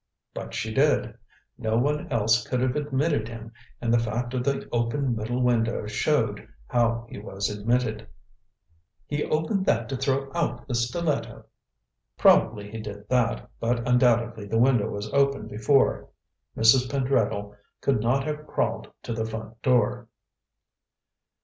"But she did. No one else could have admitted him, and the fact of the open middle window showed how he was admitted." "He opened that to throw out the stiletto." "Probably he did that, but undoubtedly the window was opened before. Mrs. Pentreddle could not have crawled to the front door."